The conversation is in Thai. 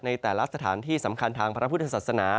ในแต่ละสถานที่สำคัญทางพระพุทธศาสนา